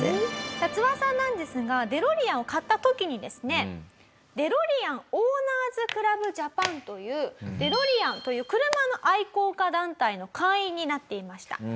ツワさんなんですがデロリアンを買った時にですねデロリアンオーナーズクラブジャパンというデロリアンという車の愛好家団体の会員になっていました。